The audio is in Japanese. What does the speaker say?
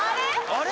あれ？